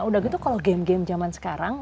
udah gitu kalau game game zaman sekarang